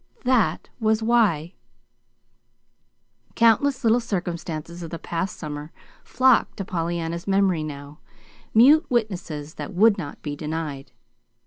That was why Countless little circumstances of the past summer flocked to Pollyanna's memory now, mute witnesses that would not be denied.